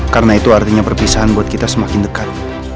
karena itu artinya perpisahan buat kita semakin dekat